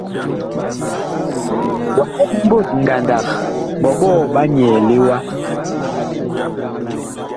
Wa ɛn ɓot ngandag, ɓɔɓɔɔ ɓa nyɛɛle wa ?